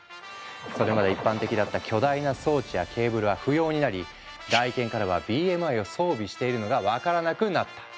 それまで一般的だった巨大な装置やケーブルは不要になり外見からはＢＭＩを装備しているのが分からなくなった。